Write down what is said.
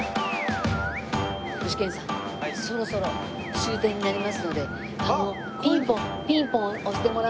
具志堅さんそろそろ終点になりますのでピンポン押してもらっていいですか？